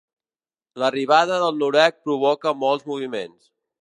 L'arribada del noruec provoca molts moviments.